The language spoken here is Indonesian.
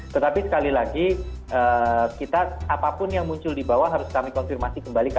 tetapi sekali lagi kita apapun yang muncul di bawah harus kami konfirmasi kembali